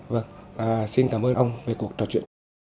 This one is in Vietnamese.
vâng xin cảm ơn ông về cuộc trò chuyện